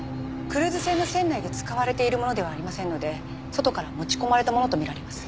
クルーズ船の船内で使われているものではありませんので外から持ち込まれたものと見られます。